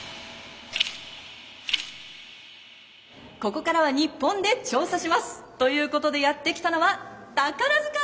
ここからは日本で調査します。ということでやって来たのは宝塚。